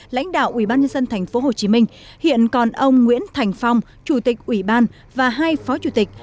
lãnh đạo ubnd tp hcm hiện còn ông nguyễn thành phong chủ tịch ubnd và hai phó chủ tịch